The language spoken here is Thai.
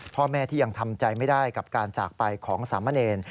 พ่อแม่ที่ยังทำใจไม่ได้กับการจากไปของสามเณร